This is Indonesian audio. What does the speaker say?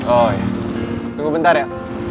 oh ya tunggu bentar ya